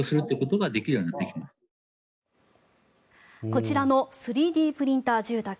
こちらの３Ｄプリンター住宅